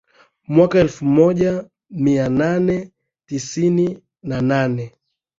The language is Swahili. Mwaka elfu moja mia nane tisini na nane